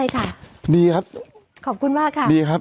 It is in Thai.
เกี่ยวกับคุณคุณมาทำอะไรครับ